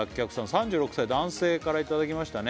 ３６歳男性からいただきましたね